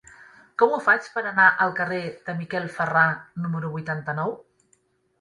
Com ho faig per anar al carrer de Miquel Ferrà número vuitanta-nou?